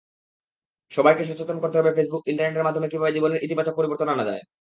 সবাইকে সচেতন করতে হবে ফেসবুক, ইন্টারনেটের মাধ্যমে কীভাবে জীবনের ইতিবাচক পরিবর্তন আনা যায়।